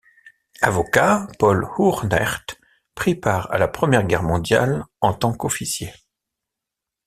Avocat, Paul Hoornaert prit part à la Première Guerre mondiale en tant qu'officier.